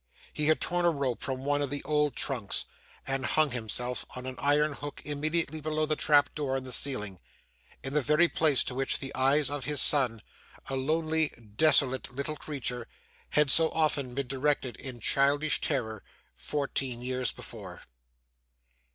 He had torn a rope from one of the old trunks, and hung himself on an iron hook immediately below the trap door in the ceiling in the very place to which the eyes of his son, a lonely, desolate, little creature, had so often been directed in childish terror, fourteen years before.